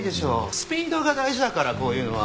スピードが大事だからこういうのは。